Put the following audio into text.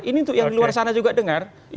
ini untuk yang di luar sana juga dengar